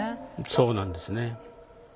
そうなんですね。